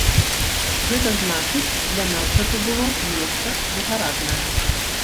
Гэта значыць, для нас гэта было нешта другараднае.